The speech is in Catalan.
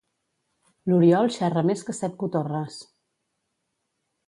L'Oriol xerra més que set cotorres.